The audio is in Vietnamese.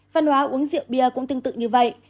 văn hóa uống rượu bia cũng tương tự như vậy